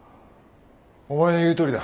お前の言うとおりだ。